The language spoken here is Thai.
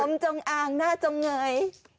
โอมจงอ่างน่าจงเงย